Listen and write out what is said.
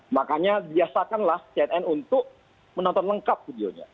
makanya biasakanlah cnn untuk menonton lengkap videonya